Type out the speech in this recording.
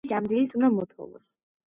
ვიცი, ამ დილით უნდა მოთოვოს,